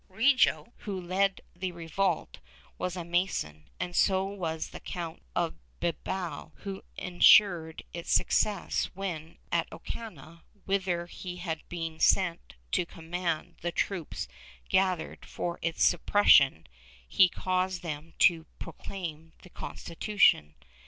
Riego, who led the revolt, was a Mason, and so was the Count of la Bisbal who ensured its success when, at Ocafia, whither he had been sent to command the troops gathered for its suppression, he caused them to proclaim the Constitution.